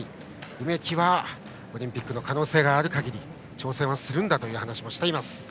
梅木はオリンピックの可能性がある限り挑戦はするんだという話をしています。